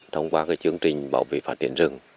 thông qua chương trình bảo vệ phản tiến rừng